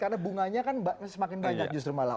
karena bunganya kan semakin banyak justru malah